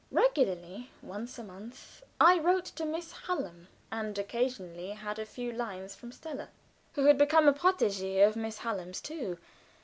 Regularly, once a month, I wrote to Miss Hallam and occasionally had a few lines from Stella, who had become a protégée of Miss Hallam's too.